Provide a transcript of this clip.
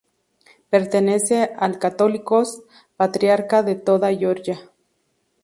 Pertenece al Catolicós Patriarca de toda Georgia.